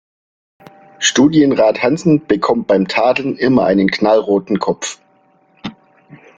Studienrat Hansen bekommt beim Tadeln immer einen knallroten Kopf.